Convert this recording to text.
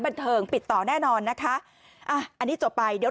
บันเทิงปิดต่อแน่นอนนะคะอ่ะอันนี้จบไปเดี๋ยว